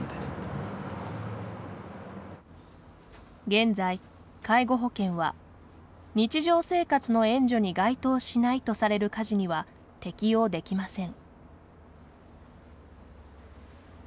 現在、介護保険は日常生活の援助に該当しないとされる家事には適用できません。